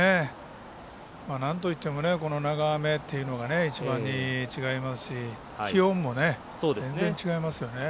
なんといっても長雨というのが一番に違いますし気温も全然、違いますよね。